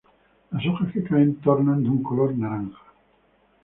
Las hojas que caen tornan de un color naranja.